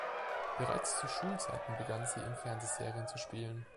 Bereits zu Schulzeiten begann sie in Fernsehserien zu spielen.